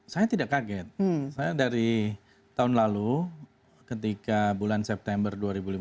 saya tidak kaget saya dari tahun lalu ketika bulan september